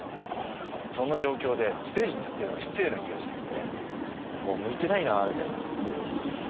そんな状況でステージに立ってるのが失礼な気がして向いてないなぁみたいな。